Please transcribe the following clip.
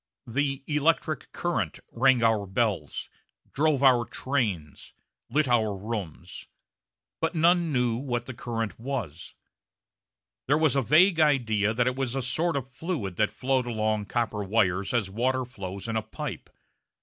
The "electric current" rang our bells, drove our trains, lit our rooms, but none knew what the current was. There was a vague idea that it was a sort of fluid that flowed along copper wires as water flows in a pipe.